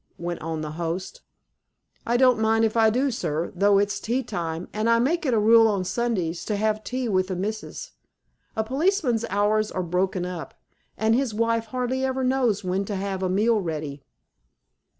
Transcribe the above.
went on the host. "I don't mind if I do, sir, though it's tea time, and I make it a rule on Sundays to have tea with the missis. A policeman's hours are broken up, and his wife hardly ever knows when to have a meal ready."